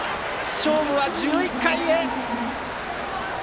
勝負は１１回へ。